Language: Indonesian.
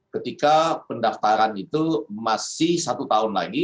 ketika pendaftaran itu masih satu tahun lagi